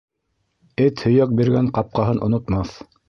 Эт һөйәк биргән ҡапҡаһын онотмаҫ.